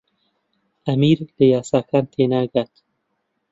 ئەمیر لە یاساکان تێناگات.